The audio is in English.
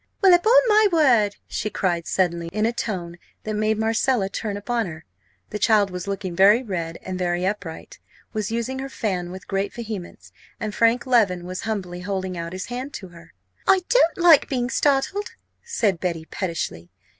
"Well, upon my word!" she cried suddenly, in a tone that made Marcella turn upon her. The child was looking very red and very upright was using her fan with great vehemence, and Frank Leven was humbly holding out his hand to her. "I don't like being startled," said Betty, pettishly.